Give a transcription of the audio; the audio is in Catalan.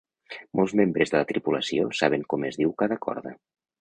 Molts membres de la tripulació saben com es diu cada corda.